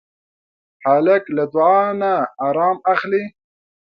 هلک له دعا نه ارام اخلي.